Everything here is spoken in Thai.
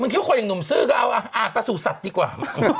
คิดว่าคนอย่างหนุ่มซื้อก็เอาอ่านประสูจนสัตว์ดีกว่า